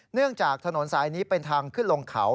เนื่องจากถนนสายนี้เป็นทางขึ้นลงเขา